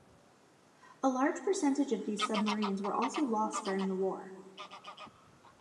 A large percentage of these submarines were also lost during the war.